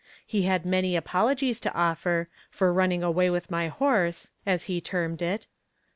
He had many apologies to offer "for running away with my horse," as he termed it.